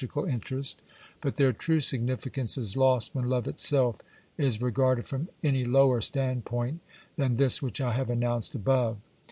CRITICAL INTRODUCTION Ixxv interest, but their true significance is lost when love itself 'i^^ is regarded from any lower standpoint than this which I '\ have announced above.